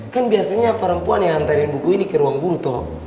kan biasanya perempuan yang ngantarin buku ini ke ruang guru tuh